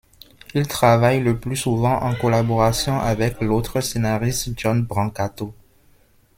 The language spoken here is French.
Il travaille le plus souvent en collaboration avec l'autre scénariste John Brancato.